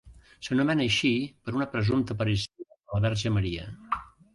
S'anomena així per una presumpta aparició de la verge Maria.